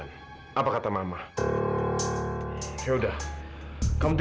biar aku tidur dulu nanti